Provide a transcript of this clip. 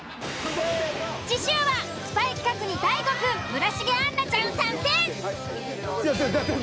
次週はスパイ企画にＤＡＩＧＯくん村重杏奈ちゃん参戦。